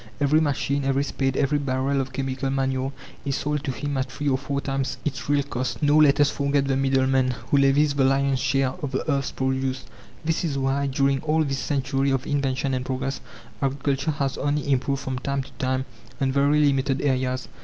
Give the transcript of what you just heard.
Every machine, every spade, every barrel of chemical manure, is sold to him at three or four times its real cost. Nor let us forget the middleman, who levies the lion's share of the earth's produce. This is why, during all this century of invention and progress, agriculture has only improved from time to time on very limited areas.